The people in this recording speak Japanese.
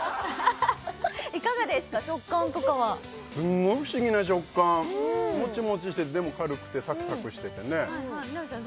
いかがですか食感とかはすごい不思議な食感もちもちしてでも軽くてサクサクしててね南さん